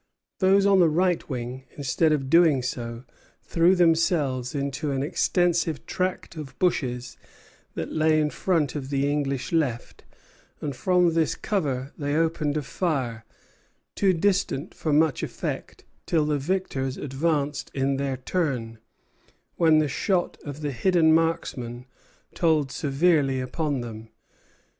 Those on the right wing, instead of doing so, threw themselves into an extensive tract of bushes that lay in front of the English left; and from this cover they opened a fire, too distant for much effect, till the victors advanced in their turn, when the shot of the hidden marksmen told severely upon them.